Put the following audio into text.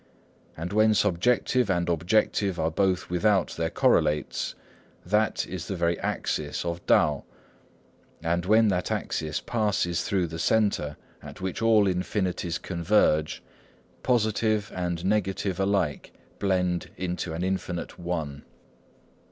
And when subjective and objective are both without their correlates, that is the very axis of Tao. And when that axis passes through the centre at which all infinities converge, positive and negative alike blend into an infinite One."